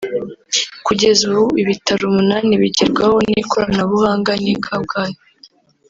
Kugeza ubu ibitaro umunani bigerwaho n’iri koranabuhanga ni Kabgayi